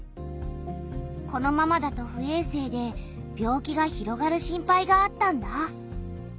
このままだと不衛生で病気が広がる心配があったんだ。